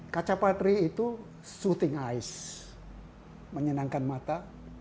kaca padi itu menyenangkan mata